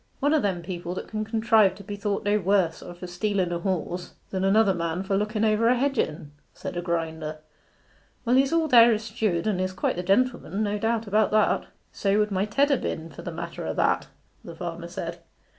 'One o' them people that can contrive to be thought no worse o' for stealen a horse than another man for looken over hedge at en,' said a grinder. 'Well, he's all there as steward, and is quite the gentleman no doubt about that.' 'So would my Ted ha' been, for the matter o' that,' the farmer said.